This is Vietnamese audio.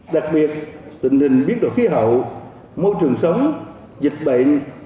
đặc biệt tình hình biến đổi khí hậu môi trường sống dịch bệnh